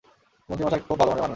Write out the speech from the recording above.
মন্ত্রী মশাই খুব ভালো মনের মানুষ।